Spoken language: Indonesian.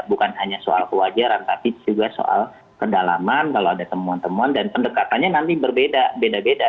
bukan hanya soal kewajaran tapi juga soal kedalaman kalau ada temuan temuan dan pendekatannya nanti berbeda beda